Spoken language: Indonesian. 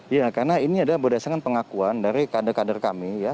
iya karena ini adalah berdasarkan pengakuan dari kader kader kami ya